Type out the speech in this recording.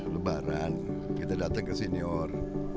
lebaran kita datang ke senior